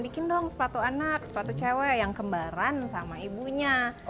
bikin dong sepatu anak sepatu cewek yang kembaran sama ibunya